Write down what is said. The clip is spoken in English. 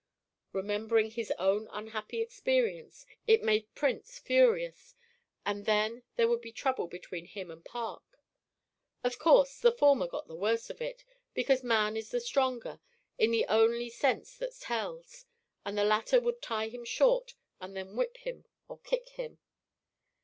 Remembering his own unhappy experience, it made Prince furious, and then there would be trouble between him and Park. Of course, the former got the worst of it, because man is the stronger, in the only sense that tells, and the latter would tie him short and then whip him or kick him.